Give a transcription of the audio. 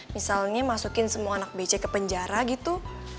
misalnya masukin semua anak becek ke penjara gitu